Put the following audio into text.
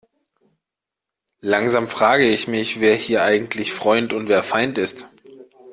Langsam frage ich mich, wer hier eigentlich Freund und wer Feind ist.